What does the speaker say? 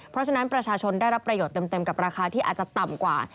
เพราะฉะนั้นประชาชนได้รับประโยชน์เต็มกับราคาที่อาจจะต่ำกว่า